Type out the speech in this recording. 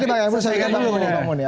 boleh saya ingat dulu